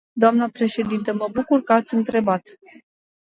Dnă președintă, mă bucur că ați întrebat.